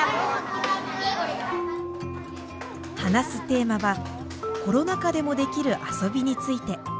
話すテーマは「コロナ禍でもできる遊びについて」。